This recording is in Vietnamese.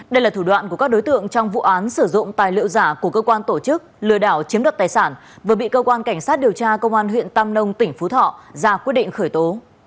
đây là thủ đoạn của các đối tượng trong vụ án sử dụng tài liệu giả của cơ quan tổ chức lừa đảo chiếm đoạt tài sản vừa bị cơ quan cảnh sát điều tra công an huyện tam nông tỉnh phú thọ ra quyết định khởi tố